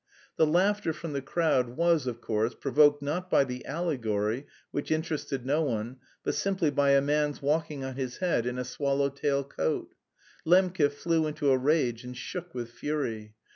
The laughter from the crowd was, of course, provoked not by the allegory, which interested no one, but simply by a man's walking on his head in a swallow tail coat. Lembke flew into a rage and shook with fury.